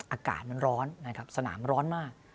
อากาศมันร้อนนะครับสนามร้อนมาก